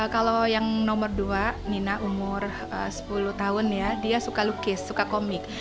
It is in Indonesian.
kalau yang nomor dua nina umur sepuluh tahun ya dia suka lukis suka komik